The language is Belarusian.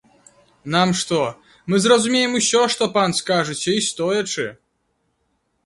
Нам што, мы зразумеем усё, што пан скажаце, і стоячы.